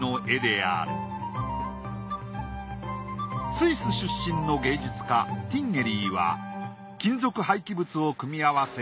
スイス出身の芸術家ティンゲリーは金属廃棄物を組み合わせ